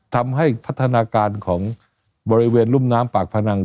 ทำให้พัฒนาการของบริเวณรุ่มน้ำปากพนัง